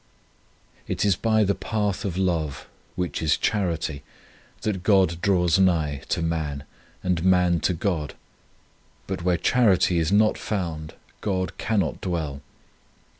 It is by the path of love, which is charity, that God draws nigh to man, and man to God, but where charity is not found God cannot dwell.